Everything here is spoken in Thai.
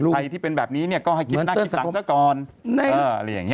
ใครที่เป็นแบบนี้เนี้ยก็ให้กิดหน้ากิดสังเจ้ากรเอออะไรอย่างเงี้ย